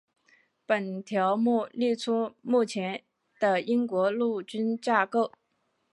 本条目列出目前的英国陆军架构。